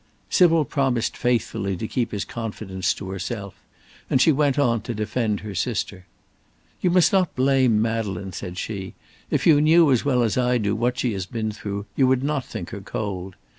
Sybil promised faithfully to keep his confidence to herself, and she went on to defend her sister. "You must not blame Madeleine," said she; "if you knew as well as I do what she has been through, you would not think her cold.